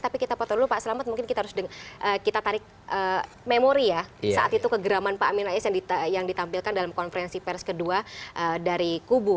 tapi kita potong dulu pak selamat mungkin kita harus kita tarik memori ya saat itu kegeraman pak amin rais yang ditampilkan dalam konferensi pers kedua dari kubu